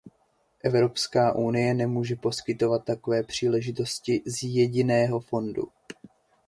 Evropská unie nemůže poskytovat takové příležitosti z jediného fondu.